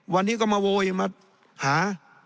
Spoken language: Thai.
วันนี้ก็มาโวยมาหา